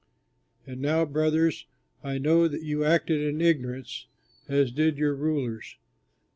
"And now, brothers, I know that you acted in ignorance, as did also your rulers.